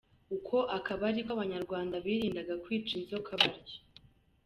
Uko akaba ariko Abanyarwanda birindaga kwica inzoka batyo.